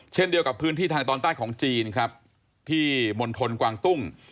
เช่นเดียวกับพื้นที่ทางตอนใต้ของจีนครับที่มณฑลกวางตุ้ง